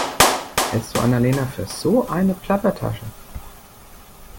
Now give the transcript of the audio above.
Hältst du Anna-Lena für so eine Plappertasche?